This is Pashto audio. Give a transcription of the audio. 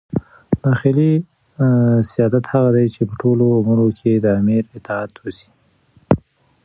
داخلي سیادت هغه دئ، چي په ټولو امورو کښي د امیر اطاعت وسي.